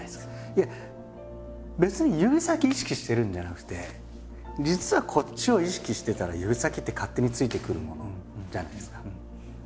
いや別に指先意識してるんじゃなくて実はこっちを意識してたら指先って勝手についてくるものじゃないですか。